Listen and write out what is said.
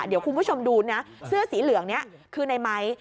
เดี๋ยวคุณผู้ชมดูนะเสื้อสีเหลืองนี้คือในไม้